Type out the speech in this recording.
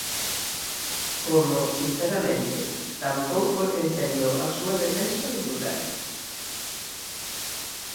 Como, sinceramente, tampouco entendo a súa defensa do rural.